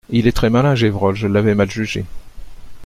Il est très malin, Gévrol, je l'avais mal jugé.